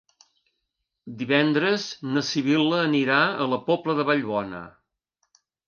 Divendres na Sibil·la anirà a la Pobla de Vallbona.